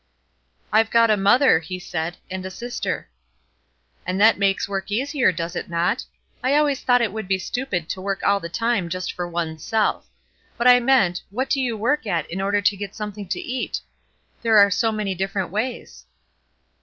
"I've got a mother," he said, "and a sister." "And that makes work easier, does it not? I always thought it would be stupid to work all the time just for one's self. But I meant, What do you work at in order to get the something to eat, there are so many different ways?"